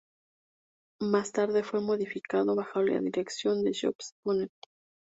Más tarde fue modificado bajo la dirección de Joseph Bonnet.